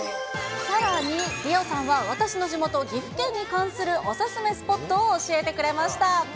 さらに、リオさんは私の地元、岐阜県に関するお勧めスポットを教えてくれました。